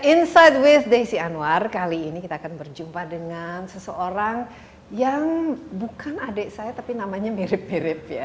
insight with desi anwar kali ini kita akan berjumpa dengan seseorang yang bukan adik saya tapi namanya mirip mirip ya